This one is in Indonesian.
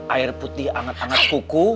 air putih anget anget kuku